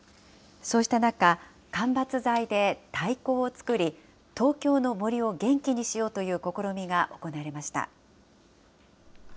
そうした中、間伐材で太鼓を作り、東京の森を元気にしようという試みが行われました。